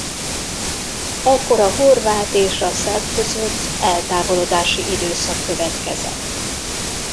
Ekkor a horvát és a szerb között eltávolodási időszak következett.